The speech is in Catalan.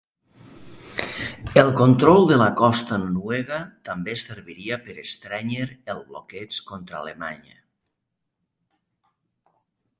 El control de la costa noruega també serviria per estrènyer el bloqueig contra Alemanya.